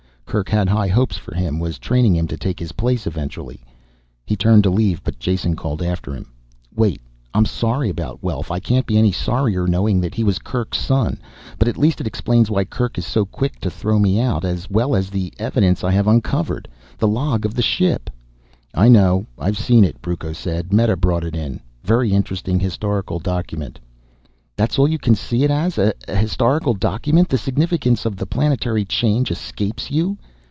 Kerk had high hopes for him, was training him to take his place eventually." He turned to leave but Jason called after him. "Wait. I'm sorry about Welf. I can't be any sorrier knowing that he was Kerk's son. But at least it explains why Kerk is so quick to throw me out as well as the evidence I have uncovered. The log of the ship " "I know, I've seen it," Brucco said. "Meta brought it in. Very interesting historical document." "That's all you can see it as an historical document? The significance of the planetary change escapes you?"